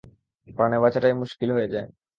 প্রাণে বাঁচাটাই মুশকিল হয়ে যায়!